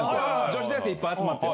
女子大生いっぱい集まって。